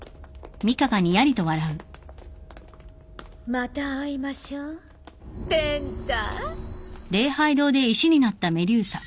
また会いましょうペンタ。